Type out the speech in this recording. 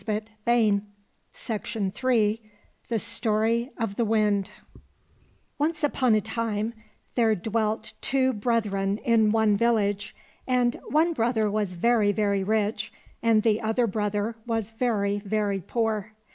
26 THE STORY OF THE WIND THE STORY OF THE WIND ONCE upon a time there dwelt two brethren in one village, and one brother was very, very rich, and the other brother was very, very poor.